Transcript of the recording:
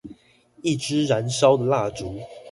一支燃燒的蠟燭